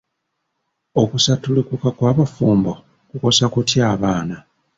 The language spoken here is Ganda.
Okusattulikuka kw'abafumbo kukosa kutya baana?